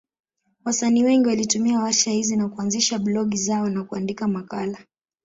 Wasanii wengi walitumia warsha hizi na kuanzisha blogi zao na kuandika makala.